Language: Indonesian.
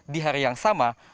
di hari yang sama